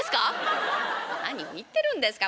「何言ってるんですか。